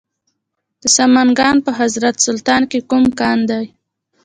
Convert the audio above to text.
د سمنګان په حضرت سلطان کې کوم کان دی؟